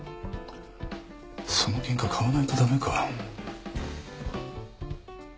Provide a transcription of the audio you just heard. その喧嘩買わないと駄目か？